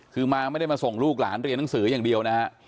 คือมาไม่ได้มาส่งลูกหลานเรียนหนังสืออย่างเดียวนะฮะ